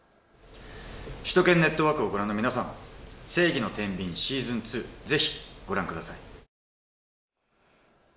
首都圏ネットワークをご覧の皆さん、正義の天秤ｓｅａｓｏｎ２ぜひご覧ください。